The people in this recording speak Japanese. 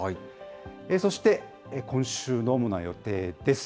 そして今週の主な予定です。